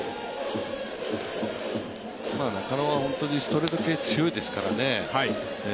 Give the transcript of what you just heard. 中野は本当にストレート系が強いですからね。